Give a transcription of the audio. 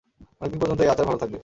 অনেক দিন পর্যন্ত এ আচার ভালো থাকবে।